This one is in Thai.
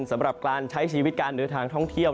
สำหรับการใช้ชีวิตการเดินทางท่องเที่ยว